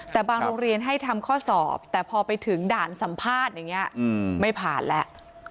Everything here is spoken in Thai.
แต่บางโรงเรียนให้ทำข้อสอบแต่พอไปถึงด่านสัมภาษณ์อย่างนี้ไม่ผ่านแล้ว